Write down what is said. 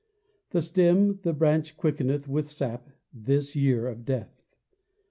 The stem, the branch quickeneth With sap, this year of Death.